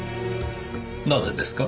なぜですか？